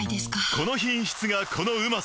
この品質がこのうまさ